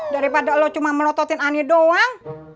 daripada lo cuma melototin ani doang